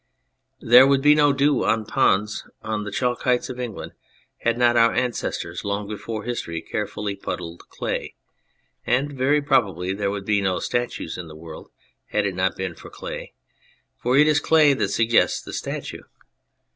There would be no dew ponds on the chalk heights of England had not our ancestors long before history carefully puddled clay. And very probably there would be no statues in the world had it not been for clay, for it is clay that suggests the statue.